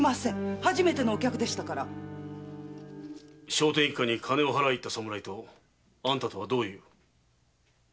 聖天一家に金を払いに行った侍とあんたとはどういう？